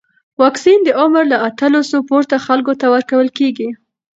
واکسن د عمر له اتلسو پورته خلکو ته ورکول کېږي.